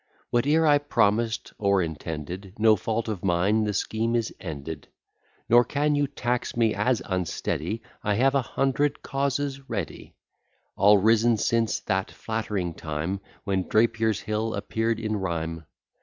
Whate'er I promised or intended, No fault of mine, the scheme is ended; Nor can you tax me as unsteady, I have a hundred causes ready; All risen since that flattering time, When Drapier's Hill appear'd in rhyme.